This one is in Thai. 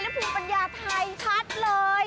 ภูมิปัญญาไทยชัดเลย